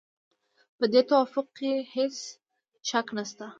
په دې توافق کې هېڅ شک نشته.